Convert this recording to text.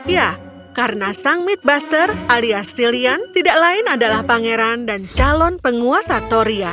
ya karena sang midbuster alias silian tidak lain adalah pangeran dan calon penguasa toria